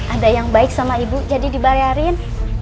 ada yang baik sama ibu jadi dibayarin